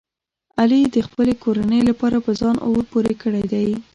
علي د خپلې کورنۍ لپاره په ځان اور پورې کړی دی.